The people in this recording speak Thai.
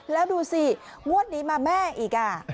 แล้วดูสิงวดนี้มาแม่อีก